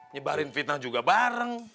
nyebarin fitnah juga bareng